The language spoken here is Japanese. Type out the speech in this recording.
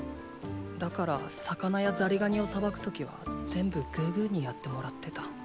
だから魚やザリガニをさばく時は全部グーグーにやってもらってた。